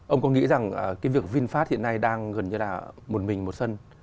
ông có nghĩ rằng cái việc vinfast hiện nay đang gần như là một mình một sân